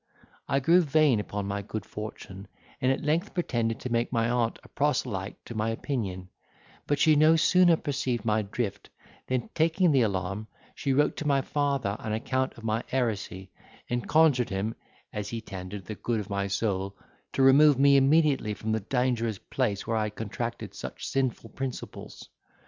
I grew vain upon my good fortune, and at length pretended to make my aunt a proselyte to my opinion; but she no sooner perceived my drift than, taking the alarm, she wrote to my father an account of my heresy, and conjured him, as he tendered the good of my soul, to remove me immediately from the dangerous place where I had contracted such sinful principles.